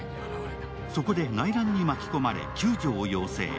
そこで内乱に巻き込まれ救助を要請。